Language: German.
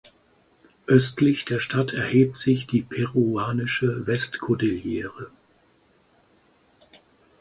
Östlich der Stadt erhebt sich die peruanische Westkordillere.